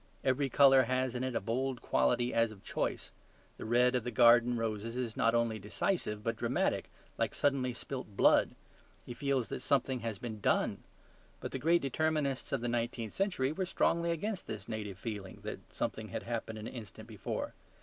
Every colour has in it a bold quality as of choice; the red of garden roses is not only decisive but dramatic, like suddenly spilt blood. He feels that something has been DONE. But the great determinists of the nineteenth century were strongly against this native feeling that something had happened an instant before.